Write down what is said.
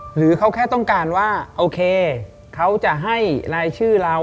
หรือเขาแค่ต้องการว่าโอเคเขาจะให้รายชื่อเรา